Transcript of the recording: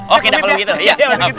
oke deh kalau gitu ya